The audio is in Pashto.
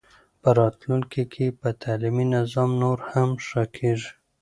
په راتلونکي کې به تعلیمي نظام نور هم ښه کېږي.